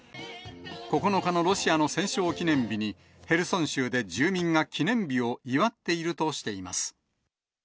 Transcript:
９日のロシアの戦勝記念日に、ヘルソン州で住民が記念日を祝っているとしています。